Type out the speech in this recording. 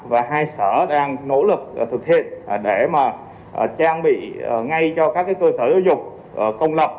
và hai sở đang nỗ lực thực hiện để trang bị ngay cho các cơ sở giáo dục công lập